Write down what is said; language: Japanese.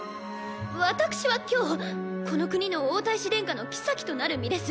私は今日この国の王太子殿下の妃となる身です。